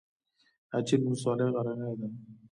اچین ولسوالۍ غرنۍ ده؟